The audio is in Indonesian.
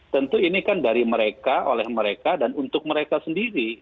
tentu ini kan dari mereka oleh mereka dan untuk mereka sendiri